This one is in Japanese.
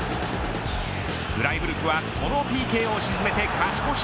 フライブルクはこのＰＫを沈めて勝ち越し。